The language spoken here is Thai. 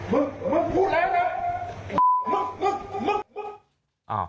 มึงมึงพูดแล้วนะ